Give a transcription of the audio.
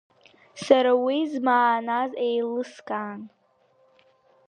Сара уи змааназ еилыскаан…